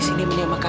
sini mene sama kakak